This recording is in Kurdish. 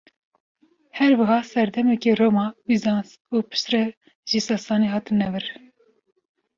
Her wiha serdemekê Roma, Bîzans û piştre jî sasanî hatine vir.